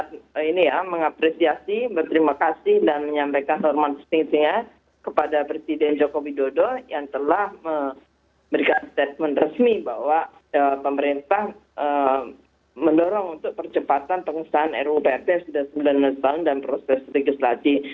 kami sangat mengapresiasi berterima kasih dan menyampaikan hormon setinggi tinggi kepada presiden jokowi dodo yang telah memberikan statement resmi bahwa pemerintah mendorong untuk percepatan pengusahaan ruu prt yang sudah sembunyi dan proses tergesa lagi